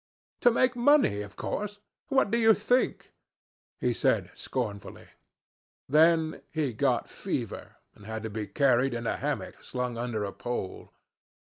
'To make money, of course. What do you think?' he said, scornfully. Then he got fever, and had to be carried in a hammock slung under a pole.